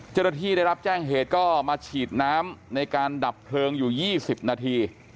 เจ้าหน้าที่ได้รับแจ้งเหตุก็มาฉีดน้ำในการดับเพลิงอยู่๒๐นาที